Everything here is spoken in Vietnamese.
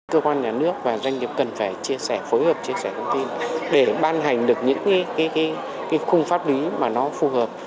cơ quan nhà nước và doanh nghiệp cần phải chia sẻ phối hợp chia sẻ thông tin để ban hành được những khung pháp lý mà nó phù hợp